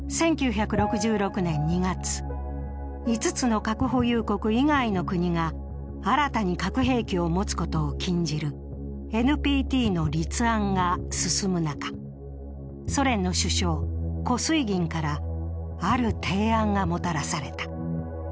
１９６６年２月、５つの核保有国以外の国が新たに核兵器を持つことを禁じるＮＰＴの立案が進む中、ソ連の首相・コスイギンからある提案がもたらされた。